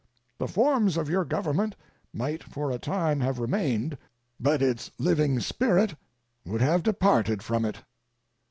The forms of your Government might for a time have remained, but its living spirit would have departed from it.